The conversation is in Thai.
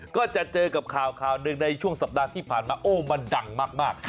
ก็จะเจอกับข่าวข่าวหนึ่งในช่วงสัปดาห์ที่ผ่านมาโอ้มันดังมาก